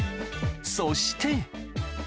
そして。